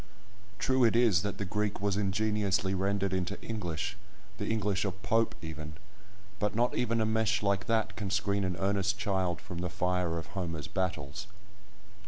True it is, that the Greek was ingeniously rendered into English, the English of Pope even, but not even a mesh like that can screen an earnest child from the fire of Homer's battles.